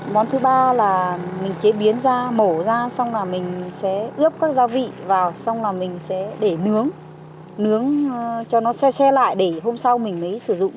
món thứ ba là mình chế biến ra mổ ra xong là mình sẽ ướp các gia vị vào xong là mình sẽ để nướng cho nó xe xe lại để hôm sau mình mới sử dụng